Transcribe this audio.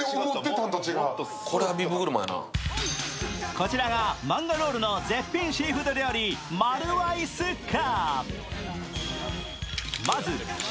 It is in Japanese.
こちらがマンガロールの絶品シーフード料理マルワイスッカ。